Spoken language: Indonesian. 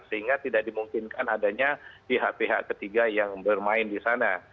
sehingga tidak dimungkinkan adanya pihak pihak ketiga yang bermain di sana